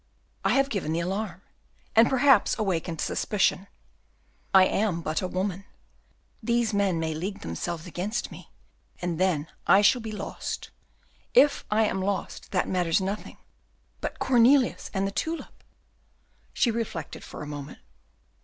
I have given the alarm, and perhaps awakened suspicion. I am but a woman; these men may league themselves against me, and then I shall be lost. If I am lost that matters nothing, but Cornelius and the tulip!" She reflected for a moment.